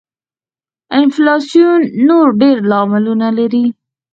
انفلاسیون نور ډېر لاملونه لري.